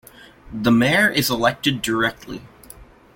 The mayor is elected directly.